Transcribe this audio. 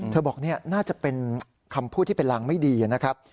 เธอบอกน่าจะเป็นคำพูดที่เป็นหลังไม่ดีนะครับ